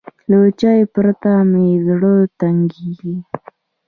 له چای پرته مې زړه تنګېږي.